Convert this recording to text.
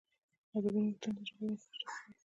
ادبي نوښتونه د ژبي وده چټکوي.